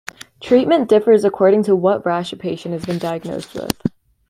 Treatment differs according to what rash a patient has been diagnosed with.